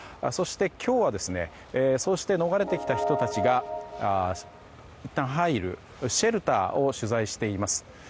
そして今日はそうして逃れてきた人たちがいったん入るシェルターを取材しています。